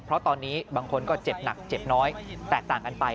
เพราะตอนนี้บางคนก็เจ็บหนักเจ็บน้อยแตกต่างกันไป